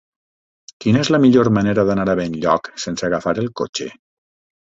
Quina és la millor manera d'anar a Benlloc sense agafar el cotxe?